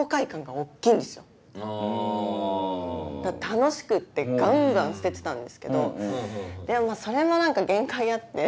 楽しくってガンガン捨ててたんですけどでもそれも何か限界あって。